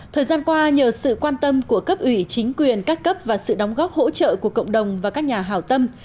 thời gian qua nhờ sự quan tâm của cấp ủy chính quyền các cấp và sự đóng góp hỗ trợ của cộng đồng và các nhà hào tâm